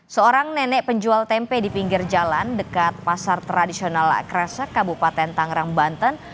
seorang nenek penjual tempe di pinggir jalan dekat pasar tradisional kresek kabupaten tangerang banten